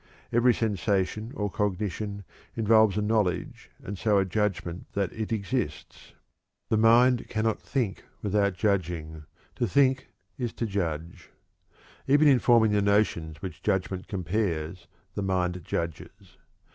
Every sensation or cognition involves a knowledge and so a judgment that it exists. The mind cannot think at all without judging; to think is to judge. Even in forming the notions which judgment compares, the mind judges.